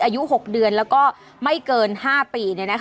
อายุ๖เดือนแล้วก็ไม่เกิน๕ปี